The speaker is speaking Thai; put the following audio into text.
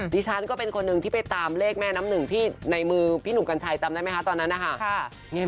พี่ฉันเป็นคนที่ไปตามแลกแม่น้ำหนึ่งในมือพี่หนุ่มกัญชัยตามรับไหมตอนนั้นนะคะ